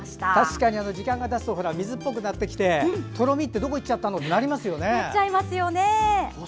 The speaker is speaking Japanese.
確かに時間がたつと水っぽくなってきてとろみってどこにいっちゃったのってなりますよね。